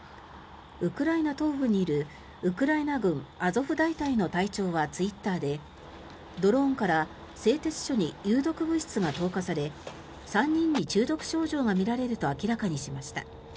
ウクライナ東部にいるウクライナ軍アゾフ大隊の隊長はツイッターでドローンから製鉄所に有毒物質が投下され３人に中毒症状が見られると明らかにしました。